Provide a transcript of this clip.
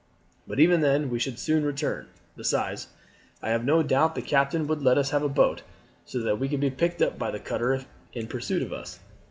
But even then we should soon return. Besides, I have no doubt the captain would let us have a boat, so that we could be picked up by the cutter in pursuit of us."